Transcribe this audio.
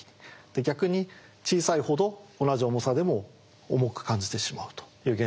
逆に小さいほど同じ重さでも重く感じてしまうという現象が起こります。